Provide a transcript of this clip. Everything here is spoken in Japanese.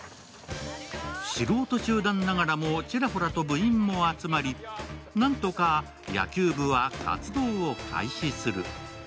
素人集団ながらもちらほらと部員も集まり、なんとか野球部は活動を開始する。